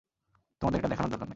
তোমাদের এটা দেখানোর দরকার নেই।